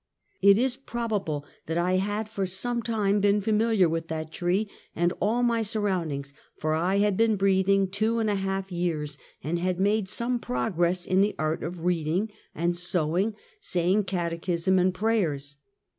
It is probable that I had for some time been famil iar with that tree, and all my surroundings, for I had been breathing two and a half years, and had made some progress in the art of reading and sewing, say ing catechism and prayers.